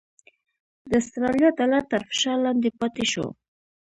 د اسټرالیا ډالر تر فشار لاندې پاتې شو؛